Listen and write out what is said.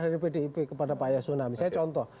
dari pdip kepada pak yasona misalnya contoh